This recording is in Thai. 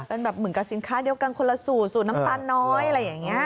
เป็นแบบเหมือนกับสินค้าเดียวกันคนละสูตรสูตรน้ำตาลน้อยอะไรอย่างนี้